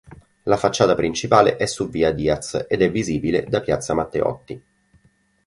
La facciata principale è su via Diaz ed è visibile da piazza Matteotti.